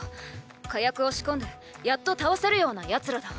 火薬を仕込んでやっと倒せるような奴らだ。